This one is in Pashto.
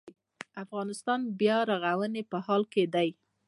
افغانستان د بیا رغونې په حال کې دی